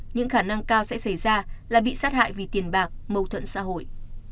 những khả năng cao sẽ xảy ra là bị sát hại vì tiền bạc mâu thuẫn xã hội